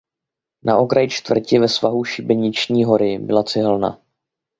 Na okraji čtvrti ve svahu Šibeniční hory byla cihelna.